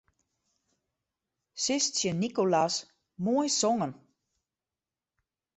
Sis tsjin Nicolas: Moai songen.